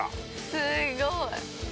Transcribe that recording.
すごい。